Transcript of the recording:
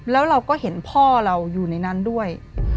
แล้วเราก็เห็นพ่อเราอยู่ในนั้นด้วย